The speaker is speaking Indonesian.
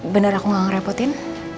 bener aku gak ngerepotin